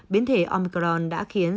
biến thể omicron đã khiến